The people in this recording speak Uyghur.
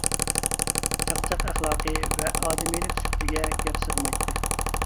چاقچاق ئەخلاقى ۋە ئادىمىيلىك سۈپىتىگە گەپ سىغمايتتى.